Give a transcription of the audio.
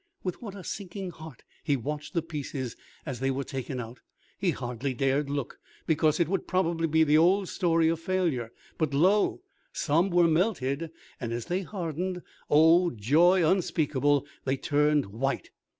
With what a sinking heart he watched the pieces as they were taken out! He hardly dared look, because it would probably be the old story of failure. But, lo! some were melted, and as they hardened, oh, joy unspeakable, they turned white!